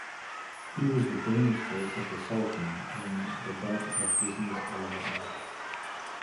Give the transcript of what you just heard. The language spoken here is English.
He was the Danish voice of the Sultan in the dub of Disney's Aladdin.